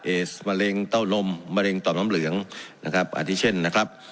เอสมะเร็งเต้าลมมะเร็งต่อมน้ำเหลืองนะครับอาทิเช่นนะครับ